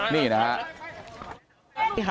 นี่นะครับ